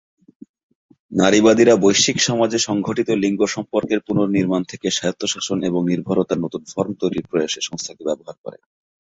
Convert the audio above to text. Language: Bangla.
নারীবাদীরা বৈশ্বিক সমাজে সংঘটিত লিঙ্গ সম্পর্কের পুনর্নির্মাণ থেকে স্বায়ত্তশাসন এবং নির্ভরতার নতুন ফর্ম তৈরির প্রয়াসে সংস্থাকে ব্যবহার করে।